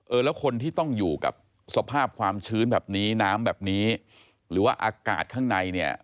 แล้วคนที่ต้องอยู่กับสภาพความชื้นแบบนี้น้ำแบบนี้หรือว่าอากาศข้างในเนี่ย